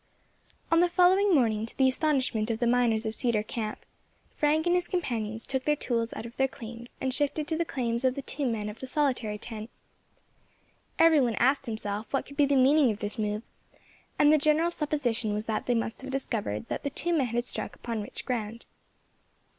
ON the following morning, to the astonishment of the miners of Cedar Camp, Frank and his companions took their tools out of their claims and shifted to the claims of the two men of the "solitary tent." Every one asked himself what could be the meaning of this move, and the general supposition was that they must have discovered that the two men had struck upon rich ground.